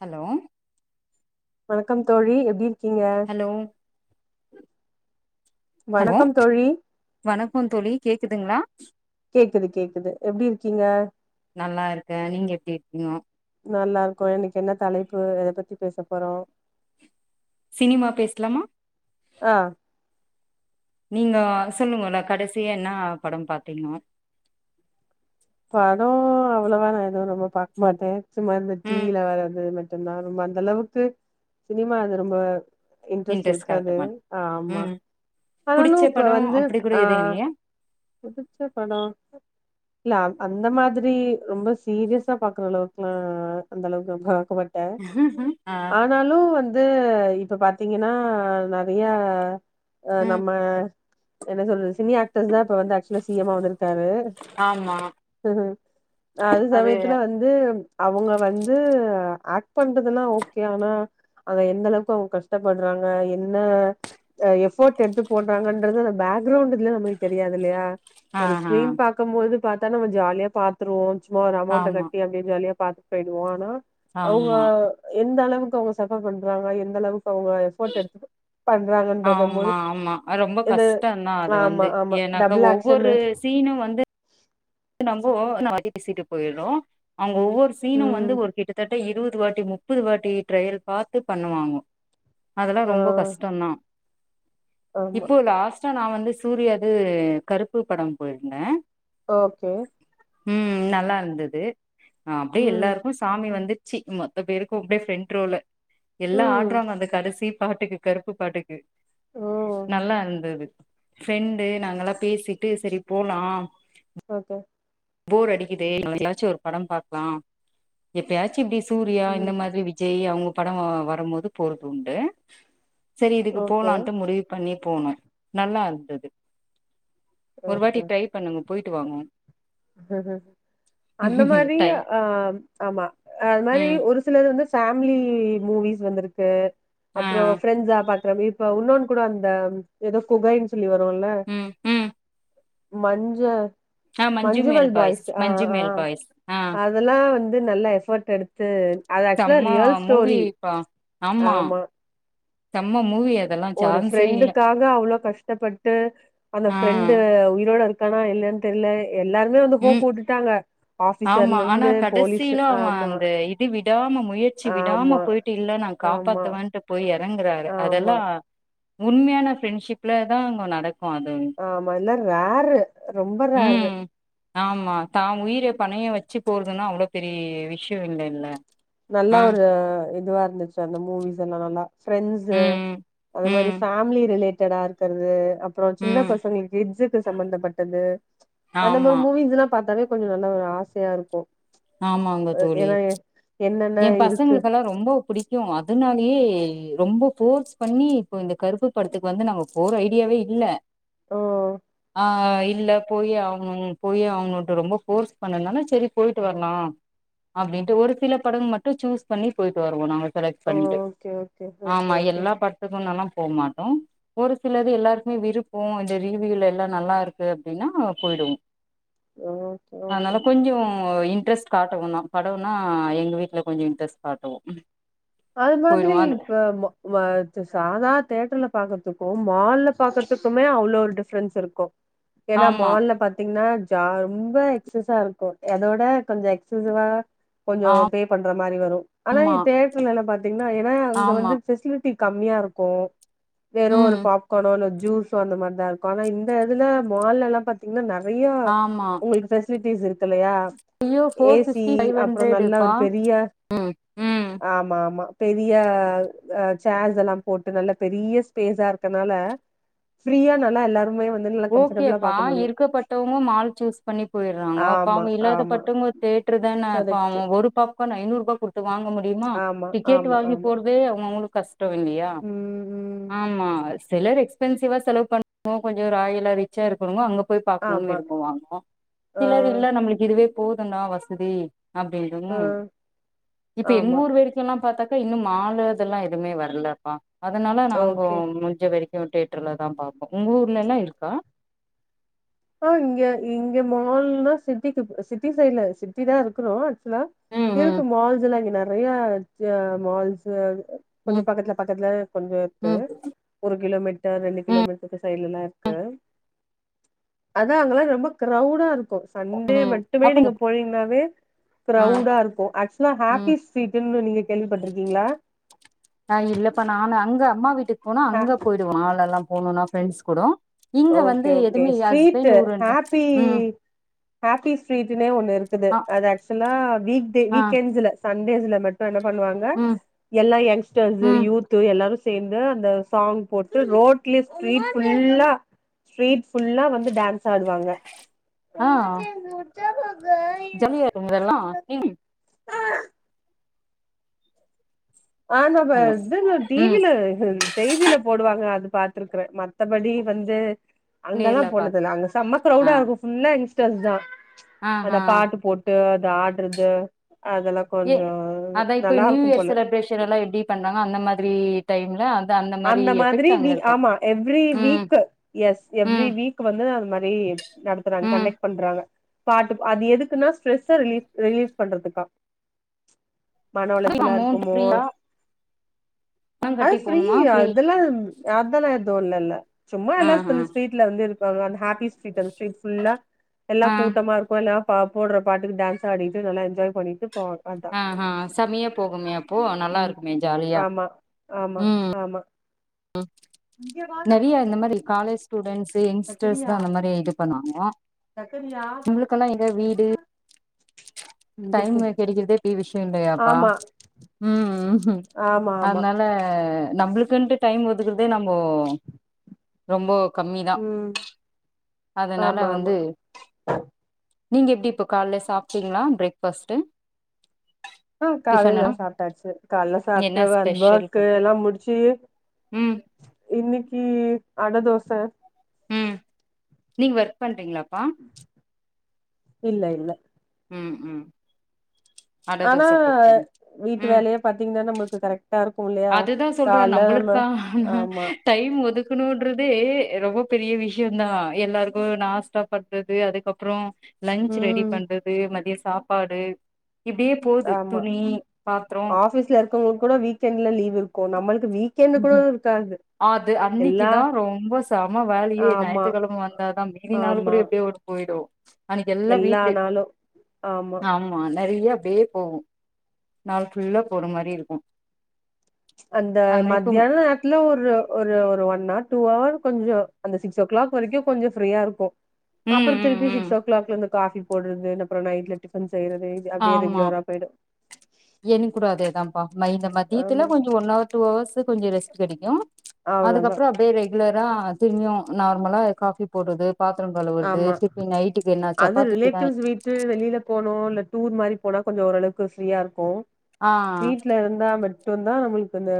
hello வணக்கம் தோழி எப்படி இருக்கீங்க ஹலோ ஹலோ வணக்கம் தோழி வணக்கம் தோழி கேக்குதுங்களா கேக்குது கேக்குது எப்டி இருக்கீங்க நல்லா இருக்கே நீங்க எப்டி இருக்கீங்க நல்லா இருக்கோ இன்னைக்கி என்ன தலைப்பு எத பத்தி பேச போறோ சினிமா பேசலாமா ஆ நீங்க சொல்லுங்ளே கடைசியா என்ன படம் பாத்தீங்கோ படோ அவ்ளோவா நா எதுவு ரொம்ப பாக்க மாட்டே சும்மா இந்த ம் டிவில வர இந்த இத மட் டும்தா ரொம்ப அந்த அளவுக்கு சினிமா அது ரொம்ப இன்ட்ரஸ்ட் இன்ட்ரெஸ்ட் காட்ட இருக்காது மாட் ஆமா ம் ஆனாலு புடிச்ச இப்ப படோ வந்து அப்டி கூட ஆ எதுவு இல்லையா புடிச்ச பட இல்ல அந்த மாதிரி ரொம்ப சீரியஸா பாக்குற அளவுக்குல்லா அந்த அளவுக்கு பாக்க மாட் ம் அ னாலு வந்து இப்ப பாத்தீங்கன்னா நெறைய அ ம் நம்ம என்ன சொல்றது சினி ஆக்டர்ஸ் தா இப்ப வந்து ஆக்ட் க்சுவலா சிஎம் ஆ வந்துருக்காரு ஆமா அது சமயத்துல வந்து து அவுங்க வந்து ஆக்ட் பண்றதுல்லா ஓகே ஆனா அதுல எந்த அளவுக்கு அவுங்க கஷ்டப்படுறாங்க என்ன எஃபோர்ட் எடுத்து போடுறாங்கன்றது அந்த பேக்ரவுண்ட்ல்ல நமளுக்கு தெ ரியாது இல்லையா ஆ ஒரு ஆ ஸ்கீரின் பாக்கும் போது பாத்தா நம்ம ஜாலியா பாப் துருவோ சும்மா ஒரு அமௌண்ட ஆமா கட்டி அப்டியே ஜாலியா பாத்துட்டு பேய்டுவோ ஆனா அவுங்க ஆமா எந்த அளவுக்கு அவுங்க சஃபர் பண்றாங்க எந்த அளவுக்கு அவுங்க எஃபோர்ட் எடுத்துட்டு பண்றாங்க ஆம்மா ஆம்மா ரொம்ப கஷ்ட தாஅது ஆமா வந்து ஆமா ஏன்னாக்கா டபுள் ஆக்ஷன்னு ஒவ்வொரு சீனு வந்து நம்போ சீன காட்டி பேசிட்டு போயிறோ அவுங்க ஒவ்வொரு சீனு வந்து ம் ஒரு கிட்டத்தட்ட இருவது வாட்டி முப் பது வாட்டி ட்ரயல் பார்த்து பண்ணுவாங்கோ அதெல்லா ஆ ரொம்ப கஷ்ட தா ஆமா இப்போ லாஸ்டா நா வந்து சூர்யாது கருப்பு படம் போய்ருந்தே ஓகே ம் நல்லா இருந்தது அப்டியே ம் எல்லார்க்கு சாமி வந்து ச்சி மொத்த பேருக்கு அப்டே ஃப்ரெண்ட் ரோல எல்லா ம் ஆட்றாங்க அந்த கடசி பாட்டுக்கு கருப்பு பாட்டுக் ஓ நல்லா இந்துது ஃப்ரெண்டு நாங்கல்லா பேசிட்டு செரி போலா ஓகே போர் அடிக்கிதே எதாச்சு ஒரு படம் பாக்லா எப்பயாச்சி இப்டி சூரியா இந்த ம் மாதிரி வி ஜய் அவுங்க படோ வரமோது போறதுண்டு செரி இதுக்கு ஓகே போலான்ட்டு முடிவு பண்ணி போனோ நல்லா இந்துது ஒரு வாட்டி ஓகே ட்ரை பண்ணுங்க போய்ட்டு வாங்கோ அந்த மாரி டை ஆ ஆம் ஆமா அத் மாரி ம் ஒரு சிலது வந்து ஃபேமிலி மூவிஸ் வந்துருக்கு ஆ அப்புறோ ஃப்ரெண்ஸ்ஸா பா க்றம் இப்ப உன்னோனு கூட அந்த எதோ குகைன் சொல்லி வருல்ல ம் ம் மஞ்ச ஆ மஞ்சு மேல் மஞ்சுவல் பாய்ஸ் ஆ மஞ்சு ஆ மேல் பாய்ஸ் ஆ அதெல்லா வந்து நல்ல எஃபர்ட் எடுத்து அது ஆக்சுவலா செம்ம ரியல் ஸ்டோரி மூவிப்பா ஆமா செம்ம மூவி அதெல்லா ஒரு சான்ஸே இல்ல ஃப்ரெண்டுக்காக அவ்ளோ கஷ்டப்பட்டு அந்த ஆ ஃப்ரெண்டு உயிரோட இரு க்கனா இல்லயான் தெர்ல எல்லாருமே வந்து ஹோப் ம் உட்டுட்டாங்க ஆமா ஆனா ஆஃபிசர்லருந்து போலீஸ் கடைசியில அவ ஆமா அந்த இது விடாம முயற்சி விடாம ஆமா போயிட்டு இல்ல நா ஆமா காப்பாத்துவன்ட்டு போயி எறங்கறாரு ஆமா அதெல்லா உண்மையான ஃப்ரெண்ஷிப்லதா அங்க நடக்கு அது ஆ ஆமா எல்லா ரேரு ரொம்ப ரேரு ம் ஆமா தான் உயிரே பணய வெச்சு போற்துன்னா அவ்ளோ பெரி விஷ்யோ இல்லேல்ல நல்லா ஒரு இதுவா இருந்துச்சு அந்த மூவிஸெல்லா நல்லா ஃப்ரெண்ட்ஸு ம் அதமாரி ம் ஃபேமிலி ரிலேட்டடா இருக்கற்து அப் புறோ சின்ன ம் பசங்களுக்கு கிட்சுக்கு சம்பந்தப்பட்டது அந்த மாரி ஆமா மூவிஸ்லா பாத்தாவே கொஞ்சோ நல்லா ஆசயா இருக்கு ஆமாங்க தோழி ஏன்னா என்னென்ன எ இருக்கு பசங்ளுக்கெல்லா ரொம்போ புடிக்கு கு அதனாலியே ரொம்போ போர்ஸ் பண்ணி இப்போ இந்த கருப்பு படத்துக்கு வந்து நாங்க போற ஐடியாவே இல்ல ஓ ஆ இல்ல போயே ஆகணு போயே ஆகனுட்டு ரொம்ப போர்ஸ் பண்ணத்னாலா செரி போய் டு வர்லா அப்டின்ட்டு ஒரு சில படங் மட்டு சூஸ் பண்ணி போய்ட்டு வருவோ நாங்க செலக் பண்ட்டு ஓகே ஓகே ஓகே ஆமா ஓகே எல்லா பட்த்துக்குனாலாம் போக மாட்டோ ஒரு சிலது எல்லாருக்மே விருப்போ இந்த ரீவியூல எல்லா நல்லா இருக்கு அப்டின்னா போய்டுவோ ஓகே ஓகே அதனால கொஞ்சோ ஒ இன்ட்ரெஸ்ட் காட்டுவோதா படோன்னா எங்க வீட்ல கொஞ்சோ இன்ட்ரெஸ்ட் காட்டுவோ அது மாதிரி போயிடுவோ அது இப்ப மா ம த சாதா தேட்டர்ல பாக்கர்துக்கு மால்ல பாக்கர்துக்குமே அவ்ளோ ஒரு டிஃப்ரன்ஸ் இருக்கு ஏனா ஆமா மால்ல பாத்தீங்னா அ ரொம்ப எக்சஸா இருக்கு அதோட கொஞ்சோ எக்சசிவா கொஞ்சொ பே பண்ற மாரி வரு ஆனா ஆமா தேட்ருலெல்லா பாத்தீங்னா ஏனா அங்க ஆமா வந்து ஃபெசிலிட்டி கம்மியா இருக்கு வெறு ஒரு ம் பாப்கானோ இல்ல ஜூஸ் அந்த மார்தா இருக்கு ஆனா இங்க இதுல மால் எல்லா பாத்தீங்ன்னா நெறைய ஒ எக்சஸ் ஃபெஸ்லிட்டிஸ் இருக்கில்லையா ஐய்யோ ஃபோர் ஃபிஃப்ட்டி ஃபைவ் ஹண்ட்ரடுபா ஒரு பெரிய ம் ம் ஆமா ஆமா பெரிய அ சேஸ் செல்லாம் போட்டு நல்ல பெரிய ஸ்பேஸா இருக்கனால ஃப்ரீயா நல்லா எல்லாருமே வந் ஓகேப்பா இருக்கப்பட்டவங்கோ மால் சூஸ் பண்ணி போயிர்றாங்கோ அப்ப ஆமா ஆமா இல்லாதப்பட்டவங்கோ தேட்டர்தான கரெக்ட் பாவொ ஒரு பாப் கான் ஐநூறு ரூபா குடுத்து வாங்க முடியுமா ஆமா டிக்கெட் ஆமா வாங்கி ஆமா போறதே அவுங்க அவுங்களுக்கு கஸ் ம் ம் ஆமா சிலர் எக்ஸ்பென்சிவா செலவு பண்ணுவாங்க கொஞ்ச இதே ராயலா ரிச்சா இருக்கவங்க அங்க போய் பாக்ணுன் ஆமா விரும்புவாங்க ஆ சிலர் இல்ல நம்ளுக்கு இதுவே போதுன்டா வசதி அப்டின்றவங்க ஆ இப்ப ஆமா எங்கூரு வர எல்லாம் பாத்தாக்கா இன்னு மால இதெல்லா எதுமே வரலப்பா அதனால நாங்க ஓகே முடிஞ்ச வரைக் அ தேட்டர்லதா பாப்போ உங்க ஊர்லலா இருக்கா ஆ இங்க இங்க மால்னா சிட்டிக்கு சிட்டி சைட்ல சிட்டிதா இருக்குறோ ஹலோ ம் இருக்கு ம் மால்ஸ்லா இங்க நெறைய எ மால்ஸ் கொஞ்சொ ம் பக்கத்துல பக்கத்துல கொஞ்சொ இருக்கு ம் ஒரு கிலோமீட்டர் ரெண்டு ம் கிலோமீட்டர்க்கு சைட்லலா இருக்கு அதா அங்கெல்லா ரொம்ப க்ரௌடா இருக்கு சண்டே ம் மட்டுமே அப்ப நீ நீங்க போனீங்கனாவே ஆ க்ரௌடா இருக்கு ஆக்சுவலா ம் ஹாப்பிஸ் ஸீட்டுன்னு நீங்க கேள்விப்பட்ருக்கீங்களா ஆ இல்லப்பா நானு அங்க அம்மா வீட்டுக் போனா ஹ அங்க போயிடுவோ மாலெல்லா போனுனா ஃப்ரெண்ட்ஸ் கூடொ okay okay street happy ம் ஹாப்பி ஸ்ட்ரீடுன்னே ஒண்ணு இருக்குது ஆ அது ஆக்சுவலா வீக் டே ஆ எண்ட்ஸ்ல சண்டேஸ்ல மட் ப்ப என்ன பண்ணுவாங்க ம் எல்லா யங்ஸ்ட்டர்ஸு ம் யூத்து எல்லாரும் ச சேந்து அந்த சாங் போட்டு ரோட்லே ஸ்ட்ரீட் ஃபுல்லா ஸ்ட்ரீட் ஃபுல்லா வந்து டான்ஸ் ஆடுவாங்க ஆ ஜாலியா இருந்ததா எல்லா ம் ஆ ந ப ஹலோ இதுல டி ம் வில செய்தியில போடுவாங்க அது பாத்ருக்கறே மத்தபடி வந்து நேர்ல அங்கெல்லாம் பாத் போனதில்ல அங்க செம்ம ஆ க்ரௌடா இருக்கு ஃபுல்ல யங்ஸ்டர்ஸ்தா ஆ அந்த ஆ பாட்டு போட் து அது ஆட்றது அதெல்லா கொஞ்சொ நல்லாருக்கு போல இதெல்லா எப்டி பண்றாங்க அந்த மாதிரி டைம்ல மாரி அந்த மாதிரி எஃபெக்ட் அங்க வீ இருக்கு ஆமா எவ்ரி ம் வீக் எஸ் எவ்ரி ம் வீக் வந்து அது மாரி நடத்துறாங்க ம் கண்டக்ட் பண்றாங்க பாட்டுப் அது எதுக்குனா ஸ்ட்ரெஸ்ஸ ரிலீஸ் ரிலீஸ் பண்றதுக்கா மன உளச்சலா அமௌண்ட் இருக்குமோ ஃப்ரீயா பணம் கட்டி போனுமா ஃப்ரீ ஆ அதெல்லா எது இல்லல்ல சும்மா ஆ எல்லா ஆ அந்த ஸ்ட்ரீட்ல வந்து இருப்பாங்க அந்த ஹாப்பிஸ் சீட் அது ஸ்ட்ரீட் ஃபுல்லா எல்லா ஆ கூட்டமாருக்கு எலா பா போடுற பாட்டுக்கு டான்ஸ் ஆடிட்டு நல்லா என்ஜாய் பண்ணிட்டு போவாங்க அதா ஆ ஆ செமையா போகுமே அப்போ நல்லா ம் இருக்குமே ஜாலியா ஆமா ஆமா ம் ஆமா இங்க வாடா நெறைய இந்த மாதிரி காலேஸ் ஸ்டூடெண்ட்ஸு யங்ஸ்டர்ஸ்தா சக்கரியா அந்த மாரி இது பண்ணாங்க சக்கரியா நம்ளுக்கெல்லா எங்க வீடு இங்க போ டைமு கெடைக்றதே பெரிய விஷயொ இல்லையாப்பா ஆமா ஆமா ஆமா அத்னால ஆ நம்ளுக்குன்ட்டு டைம் ஒதுக்குறதே நம்போ ரொம்பொ கம்மிதா ம் அதனால ஆமா ஆமா வந்து நீங்க எப்டி இப்ப கால்ல சாப்டீங்ளா பிரேக் ஃபாஸ்ட்டு ஆ காலைல சாப்ட்டாச்சு காலைல என்ன சாப்ட்டு ஸ்பெஷல் ஒர்க்கு பண் எல்லா முடிச்சி ம் இன்னைக்கி அட தோச ம் நீங் ஒர்க் பண்றீங்களாப்பா இல்ல இல்ல ம் ம் அட ஆனா தோச போட்டீங்க வீட்டு ம் வேலயே பாத்தீங்கனா நம்ளுக்கு கரெக்டாருக்கு இல்லையா சொல்றன் கால்ல நம்ம நம்மளுக்கான ஆமா டைம் ஒதுக்கணும்ன்றதே ரொம்ப பெரிய விஷயந்தா எல்லாருக்கு நாஸ்டா பண்றது அதுக்கப்றோ லன்ச் ரெடி ம் பண்றது மதிய சாப்பாடு இப்டியே ஆமா ஆபீஸ்ல இருக்கவங்க கூட வீக்கெண்ட்ல லீவ் இருக்கு நம்மளுக் வீக் கென்டு கூட இருக்காது அது எல்லா அன்னைக்குதா ரொம்ப செம வேலயே ஆமா ஞாயித்துகெழம வந்தாதா மீதினாள் கூட ஆமா எப்டியோ போயிடு எல்லா நாளு ஆமா நெறைய அப்டியே போவு நாள் ஃபுல்லா போற மாரி இருக்கு அந்த மத்தியான நேரத்துல ஒரு ஒரு ஒரு ஒன்னார் டூ அவர் கொஞ்சோ அந்த சிக்ஸ் ஓ கிளாக் வரைக்கு கொஞ்ச ஃப்ரீயா இருக்கு அப்றோ ம் ம் திருப்பி ம் சிக்ஸ் ஓ கிளாக்லிருந்து காபி போட்றது அப்றம் நைட்ல டிபன் செய்றது அப்டியே ரெகுலரா போய்டு எனக்கூட அதேதாம்ப்பா ம இந்த மதியத்துல ஆமா கொஞ்ச ஒன்னவர் டூ அவர்ஸு கொஞ்ச ரெஸ்ட் கெடைக்கு அவ்ளோதா அதுக்கப்றோ அப்டியே ரெகுலரா திரும்பியு நார்மலா காஃபி போட்றது பாத்ரோ கழுவுறது ஆமா திருப்பி நைட்டுக்கு என்ன சப்பாத்திதானே வெளில போனோ இல்ல டூர் மாரி போனா கொஞ்ச ஓரளவுக்கு ஃப்ரீயாருக்கு ஆ வீட்ல இருந்தா மட்டுந்தா நம்ளுக்கு அந்த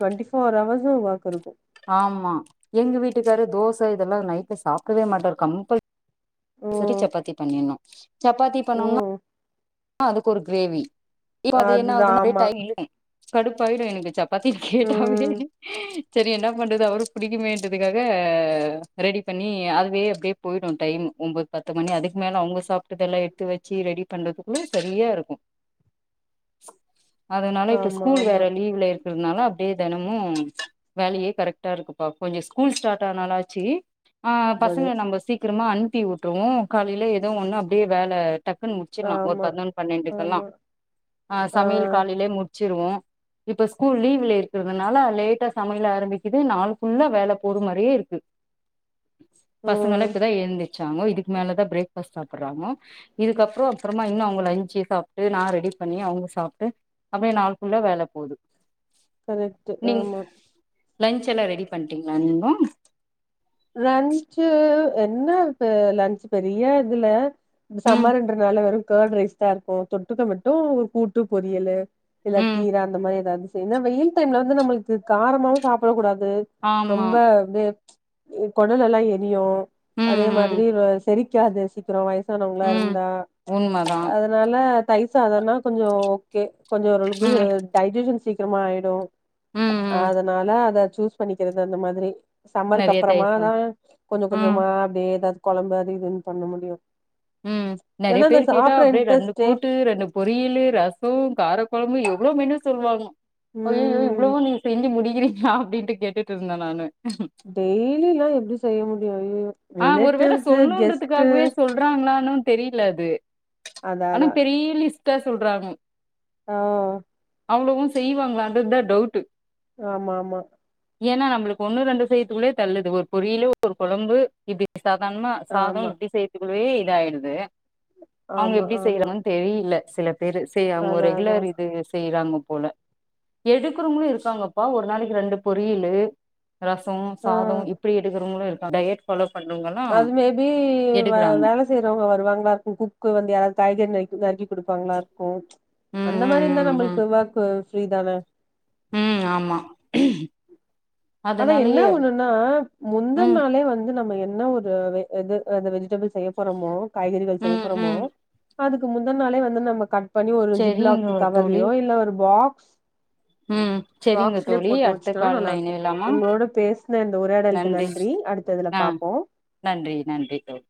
டுவெண்ட்டி ஃபோர் அவர்ஸும் ஒர்க் இருக்கு ஆமா எங்க வீட்டுக்காரு தோச இதெல்லா நைட்டு சாப்டவே மாட்டாரு கம்பல் சரி ம் சப்பாத்தி பண்ணிர்ணு சப்பாத்தி பண்னோனா ம் அதுக்கு ஒரு கிரேவி இப்ப அது அதுதா என்னாகுதுன்னா ஆமா லேட்டாயி இழுக்கு கடுப்பாயிடு எனக்கு சப்பாத்தி கேட்டாவே ம் சரி என்ன பண்ணுறது அவருக் புடிக்குமேன்றதுக்காக ரெடி பண்ணி அதுவே அப்டியே போய்டு டைமு ஒம்பது பத்து மணி அதுக்கு மேல அவுங்க சாப்டதெல்லா எடுத்து வச்சு ரெடி பண்றது சரியா இருக்கு அதனால இப்ப ஆமா ஸ்கூல் வேற ஆமா லீவ்ல இருக் றனால அப்டியே தெனமு வேலயே கரெக்ட்டா இருக்குப்பா கொஞ்ச ஸ்கூல் ஸ்டாட் ஆனாலாச்சு ஆ பசங்க ஒன்பது நம்ம சீக்கிரமா அனுப்பி விட்ருவோ காலைல ஏதோ ஒண்ணு அப்டியே வேல டக்குன்னு ச்சிலா ஒரு ஆமா பதினொன்னு பன்னெண்டுக்கெல்லா ஆமா ஆ சமையல் காலைலே முடிச்சிருவோ இப்ப ஸ்கூல் லீவ்ல இருக்கறதுனால லேட்டா சமயல் ஆரம்பிக்குது நாள் ஃபுல்லா வேல போது மாரியே இருக்கு ஓ பசங்கலா இப்பதா எந்திரு சாங்கோ இதுக்கு மேலதா பிரேக்ஃ பஸ்ட் சாப்றாங்கோ இதுக்கப்றோ அப்றமா ங்க லஞ்ச்ச சாப்ட்டு நா ரெடி பண்ணி அவங்க சாப்ட்டு அடியே நாள் ஃபுல்லா வேல போது கரெக்ட் ஆமா லஞ்ச் எல்லா ரெடி பண்டீங்களா நீங்கோ லன்ச்சு என்னருக்கு லன்ச் பெரியா இதுல ம் சம்மர் என்றனால வெறு கேர்ட் ரைஸ் தா இருக்கு தொட்டுக்க மட்டு ஒரு கூட்டு பொரியலு இல்ல ம் கீர அந்த மாரி ஏதாவது செய்ரின்னா வெயில் டைம்ல வந்து நம்ளுக்கு காரமாவு சாப்ட கூடாது ஆமா ரொம்ப அப்டே குடல்லல்லா எரியு ம் அதே ம் மாதிரி செரிக்காது ம் வயசானவங்ளா ம் இருந்தா உண்மதா அதனால தைய்ர் சாதன்னா கொஞ்சோ ஓகே கொஞ்ச ம் ஓரளவுக் டெய்ஜசன் சீக்கிரமா ஆயிடு ம் ம் அதனால அத சூஸ் பண்ணிக்கிறது அந்த மாதிரி சம்மருக்கு நெறைய அப்பறமா தயிர் தா சாதம் கொஞ்சோ ம் கொஞ்சமா அப்டியே ஏதாது குழம்பு அது இதுன்னு பண்ண முடியு ம் நெறைய இல்லன்னா இந்த பேர் கேட்டா சாப்ற அப்டியே ரெண்டு இன்ட்ரெஸ்ட்டே கூட்டு ரெண்டு பொரியலு ரச காரக்குழம்பு எவ்வளவு மெனு சொல்லுவாங்க அய்யய்யோ ம் இவ்வளவு நீங்க செஞ்சு முடிகிறீங்களா அப்டின்ட்டு கேட்டுட்டு இருந்தே நானு டெய்லில்லா எப்டி செய்ய முடியு அய்யயோ ரிலேட்டிவ்ஸ் கெஸ்ட்டு சொல்றாங்களனு தெரியல அது அதா ஆனா அதா பெரிய லிஸ்டா சொல்றாங்க ஆ அவ்வளவு செய்வாங்களன்றதுதா டவுட் ஆமா ஆமா ஏனா நம்மளுக்கு ஒண்ணு ரெண்டு செய்யிரதுக்குள்ளே தள்ளுது ஒரு பொரியலு ஒரு குழம்பு இது சாதாரணமா சாத ஆமா இப்புடி செய்யரதுக்குள்ளயே இத ஆயிடுது அவங்க ஆமா எப்டி ஆமா செய்யறங்கனு தெர் தெரியல சில பேரு செய்யாங்க அதா அதா ரெகுலர் இது செய்யறாங்க போல எடுக்குறோங்களு இருக்காங்கப்பா ஒரு நாளைக்கு ரெண்டு பொரியலு ரச ஆ சாத இப்புடி எடுக்கறவங்களு இருக்காங்க டயட் ஃபாலோ பண்றவங்களா எப்டி வேலை செய்யறவங்க வருவாங்களா இருக்கு குக்கு வந்து யாராவது காய்கறி நறுக்கி நறுக்கி கொடுப்பாங்களா இருக்கு ம் அந்த ம் மாரி இருந்தா ம் ம் நம்மளுக்கு வாக்கு ஃப்ரீ தானே ம் ஆமா ஆனா என்ன அதனாலயே ஒண்ணுன்னா முந்த ம் நாளே வந்து நம்ம என்ன ஒரு எது அந்த வெஜிடபிள் செய்ய போறோமோ காய்கறிகள் செய்ய ம் போறோமோ ம் அதுக்கு முந்த நாளே வந்து நம்ம கட் பண்ணி ஒரு செரிங்க ஜிப்லாக் தோழி கவர்லயோ இல்ல ஒரு பாக்ஸ் ம் செரிங்க பாக்ஸ்லயே தோழி போட்டு அடுத்த வச்சுட்டோனா நல்லா கால்ல இருக்கு இணையலாமா உங்களோட பேசுன இந்த உரையாடலுக்கு நன்றி அடுத்ததுல ஆ பாப்போ நன்றி நன்றி தோழி